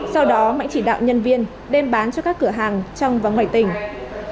sau đó mạnh chỉ đạo nhân viên đem bán cho các cửa hàng trong và ngoài tỉnh